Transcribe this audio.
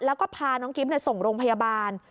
แล้วก็พาน้องกิ๊บส่งโรงพยาบาล